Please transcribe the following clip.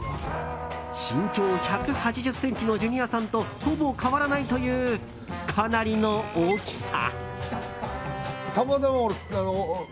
身長１８０ｃｍのジュニアさんとほぼ変わらないというかなりの大きさ。